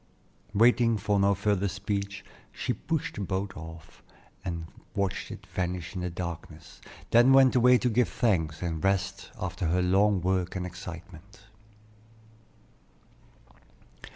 Waiting for no further speech, she pushed the boat off, and watched it vanish in the darkness; then went away to give thanks, and rest after her long work and excitement.